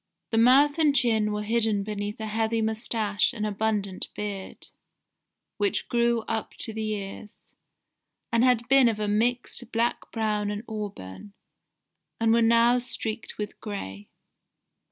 The mouth and chin were hidden beneath a heavy moustache and abundant beard, which grew up to the ears, and had been of a mixed black brown and auburn, and were now streaked with gray.